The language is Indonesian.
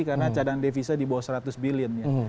karena cadangan devisa di bawah seratus billion ya